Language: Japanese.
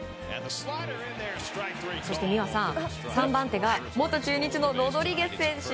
そして美和さん３番手が元中日のロドリゲス選手。